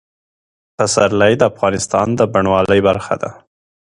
پسرلی د افغانستان د بڼوالۍ برخه ده.